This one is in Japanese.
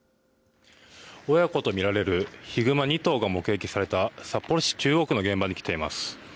親子と見られるヒグマ２頭が目撃された札幌市中央区の現場に来ています。